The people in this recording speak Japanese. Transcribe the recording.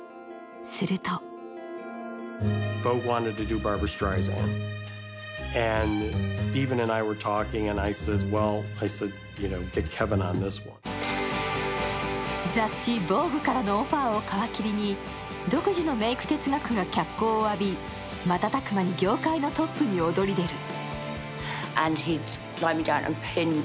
すると雑誌「ＶＯＧＵＥ」からのオファーを皮切りに、独自のメイク哲学が脚光を浴び瞬く間に業界のトップに躍り出る。